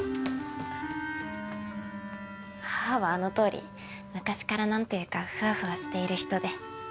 母はあのとおり昔からなんというかフワフワしている人で。